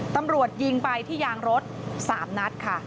ตำรวจยิงไปที่ยางรถ๓นัดค่ะ